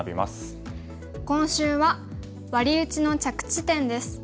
今週は「ワリウチの着地点」です。